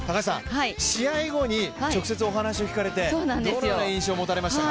試合後に直接お話を聞かれてどのような印象を持たれましたか？